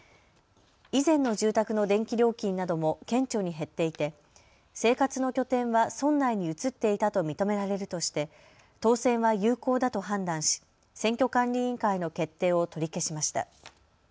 以前の住宅の電気料金なども顕著に減っていて、生活の拠点は村内に移っていたと認められるとして当選は有効だと判断し選挙管理委員会の決定を取り消しました。